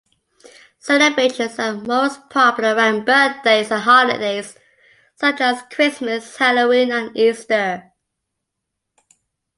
Celebrations are most popular around birthdays and holidays, such as Christmas, Halloween and Easter.